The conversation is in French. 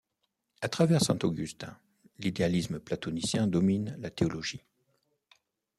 À travers saint Augustin, l'idéalisme platonicien domine la théologie.